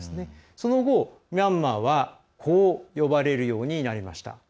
その後、ミャンマーはこう呼ばれるようになりました。